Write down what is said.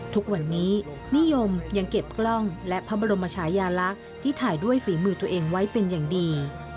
ทุกวันนี้นิยมยังเก็บกล้องและพระบรมชายาลักษณ์ที่ถ่ายด้วยฝีมือตัวเองไว้เป็นอย่างดี